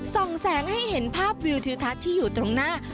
แสงให้เห็นภาพวิวทิวทัศน์ที่อยู่ตรงหน้า